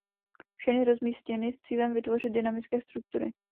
Všechny rozmístěny s cílem vytvořit dynamické struktury.